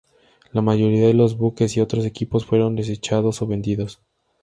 La mayoría de los buques y otros equipos fueron desechados o vendidos.